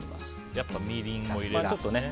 やっぱりみりんを入れるんですね。